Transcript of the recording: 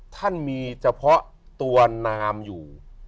ท่านมีเฉพาะตัวนามอยู่